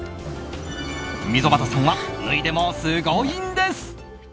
溝端さんは脱いでもすごいんです。